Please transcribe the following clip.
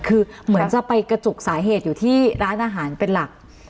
คือเหมือนจะไปกระจุกสาเหตุอยู่ที่ร้านอาหารเป็นหลัก